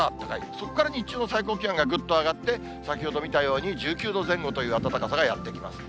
そこから日中の最高気温がぐっと上がって、先ほど見たように１９度前後という暖かさがやってきます。